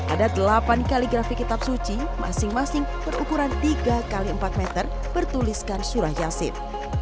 ada delapan kaligrafi kitab suci masing masing berukuran tiga x empat meter bertuliskan surah yasin